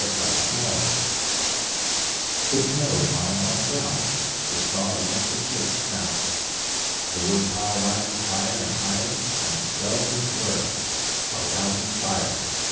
CHEERFUL THOUGHTS The snow is lying on the ground, The saw emits a cheerful sound, The wood pile rises higher and higher, And spells these words, "A rousing fire."